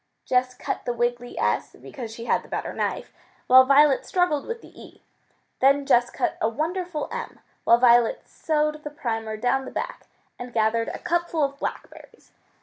Jess cut the wiggly s, because she had the better knife, while Violet struggled with the e. Then Jess cut a wonderful m while Violet sewed the primer down the back, and gathered a cupful of blackberries.